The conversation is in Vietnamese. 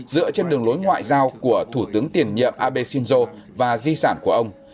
dựa trên đường lối ngoại giao của thủ tướng tiền nhiệm abe shinzo và di sản của ông